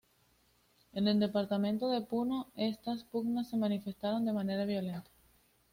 En el departamento de Puno estas pugnas se manifestaron de manera violenta.